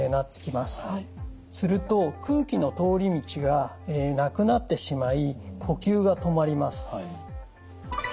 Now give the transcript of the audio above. すると空気の通り道がなくなってしまい呼吸が止まります。